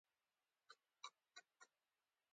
د شبت ګل د څه لپاره وکاروم؟